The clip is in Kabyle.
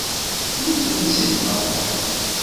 Mmutent seg lfeṛḥ.